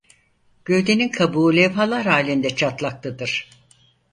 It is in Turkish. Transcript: Gövdenin kabuğu levhalar hâlinde çatlaklıdır.